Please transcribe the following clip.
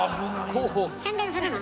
宣伝するの？